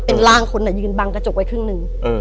เป็นร่างคนยืนบังกระจกไว้ครึ่งหนึ่ง